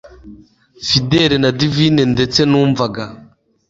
fidele na divine ndetse numvaga